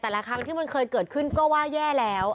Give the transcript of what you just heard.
ครั้งที่มันเคยเกิดขึ้นก็ว่าแย่แล้ว